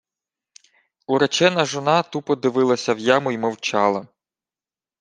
Уречена жона тупо дивилася в яму й мовчала.